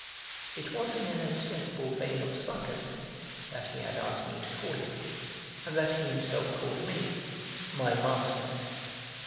It was in an ostensible vein of sarcasm that he had asked me to call him, and that he himself called me, "my master."